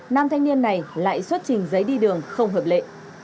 nam thanh niên này lại xuất trình giấy đi đường không hợp lệ